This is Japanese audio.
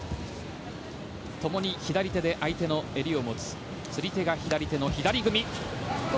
共に左手で相手の襟を持つ釣り手が左手の左組み。